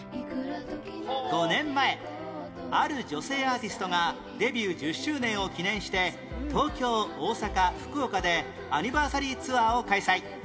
５年前ある女性アーティストがデビュー１０周年を記念して東京大阪福岡でアニバーサリーツアーを開催